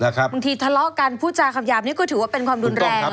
บางครั้งที่ทะเลาะกันพุจราคำยามนี่กูถือว่าเป็นความรุนแรง